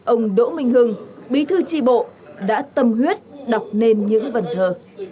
ông đỗ minh hưng bí thư tri bộ đã tâm huyết đọc nên những vần thờ